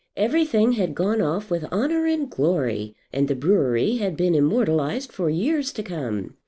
Everything had gone off with honour and glory, and the brewery had been immortalized for years to come.